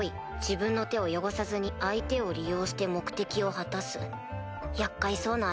自分の手を汚さずに相手を利用して目的を果たす厄介そうな相手だな。